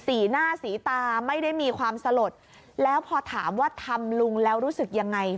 สีหน้าสีตาไม่ได้มีความสลดแล้วพอถามว่าทำลุงแล้วรู้สึกยังไง